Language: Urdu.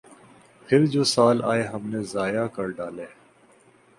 پھر جو سال آئے ہم نے ضائع کر ڈالے۔